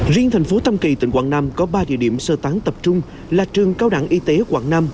riêng thành phố tâm kỳ tỉnh quảng nam có ba địa điểm sơ tán tập trung là trường cao đẳng y tế quận năm